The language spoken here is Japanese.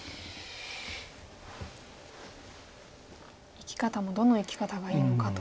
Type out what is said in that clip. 生き方もどの生き方がいいのかと。